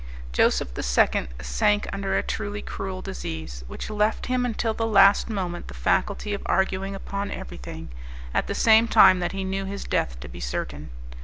Joseph II. sank under a truly cruel disease, which left him until the last moment the faculty of arguing upon everything, at the same time that he knew his death to be certain.